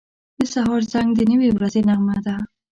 • د سهار زنګ د نوې ورځې نغمه ده.